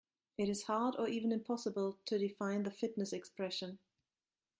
It is hard or even impossible to define the fitness expression.